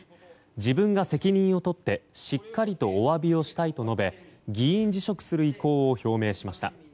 自分が責任を取ってしっかりお詫びをしたいと述べ議員辞職する意向を表明しました。